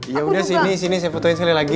ya udah sini sini saya fotoin sekali lagi